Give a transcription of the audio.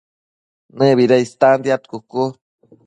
¿Nëbida istantiad cucu?